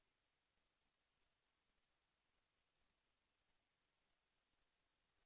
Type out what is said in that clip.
แสวได้ไงของเราก็เชียนนักอยู่ค่ะเป็นผู้ร่วมงานที่ดีมาก